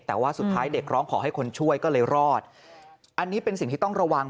แต่ว่าสุดท้ายเด็กร้องขอให้คนช่วยก็เลยรอดอันนี้เป็นสิ่งที่ต้องระวัง